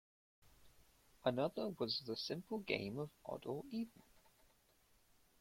Another was the simple game of odd or even.